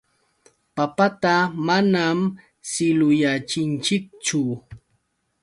Papata manam suliyachinchikchu.